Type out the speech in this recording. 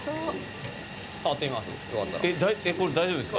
触ってみます？